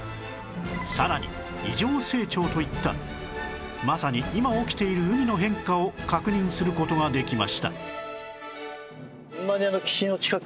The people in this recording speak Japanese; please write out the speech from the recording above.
さらに異常成長といったまさに今起きている海の変化を確認する事ができました